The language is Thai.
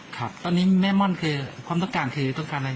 ครับตอนนี้แม่ม่อนคือความต้องการคือต้องการอะไร